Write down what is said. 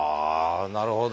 なるほど。